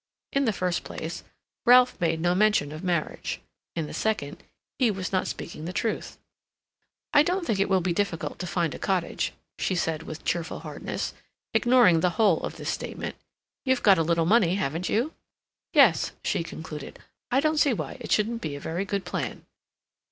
In the first place, Ralph made no mention of marriage; in the second, he was not speaking the truth. "I don't think it will be difficult to find a cottage," she said, with cheerful hardness, ignoring the whole of this statement. "You've got a little money, haven't you? Yes," she concluded, "I don't see why it shouldn't be a very good plan."